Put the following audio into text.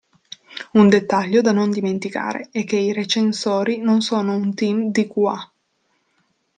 Un dettaglio da non dimenticare è che i recensori non sono un team di QA.